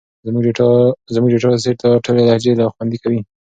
زموږ ډیټا سیټ دا ټولې لهجې خوندي کوي.